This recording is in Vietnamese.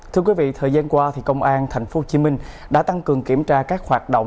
thưa quý vị thời gian qua công an tp hcm đã tăng cường kiểm tra các hoạt động